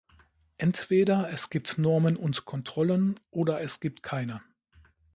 Entweder es gibt Normen und Kontrollen, oder es gibt keine.